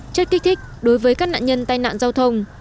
chất kích thích đối với các nạn nhân tai nạn giao thông